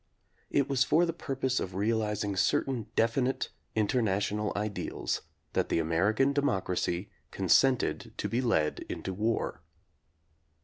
It was for the purpose of realizing certain definite international ideals that the American democracy consented to be led into war.